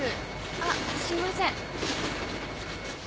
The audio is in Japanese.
あっすいません。